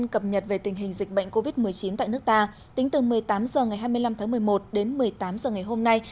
cập nhật về tình hình dịch bệnh covid một mươi chín tại nước ta tính từ một mươi tám h ngày hai mươi năm tháng một mươi một đến một mươi tám h ngày hôm nay